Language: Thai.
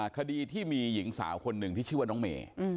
คดีที่มีหญิงสาวคนหนึ่งที่ชื่อว่าน้องเมย์